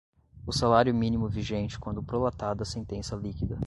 o salário-mínimo vigente quando prolatada sentença líquida